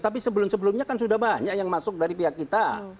tapi sebelum sebelumnya kan sudah banyak yang masuk dari pihak kita